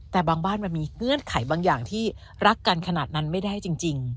แต่บางบ้านมันมีเงื่อนไขบางอย่างที่รักกันขนาดนั้นไม่ได้จริง